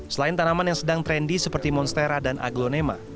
selain tanaman yang sedang trendy seperti monstera dan aglonema